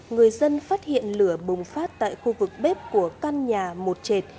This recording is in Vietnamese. người dân phát hiện lửa bùng phát tại khu vực bếp của căn nhà một trệt